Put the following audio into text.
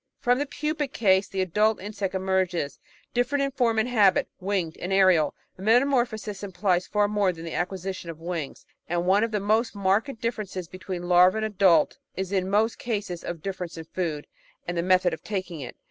From the pupa case the adult insect emerges, different in form and habit, winged and aerial. Metamorphosis implies far more than the acquisition of wings, and one of the most marked differences between larva and adult is in most cases the difference in the food and the method of taking it.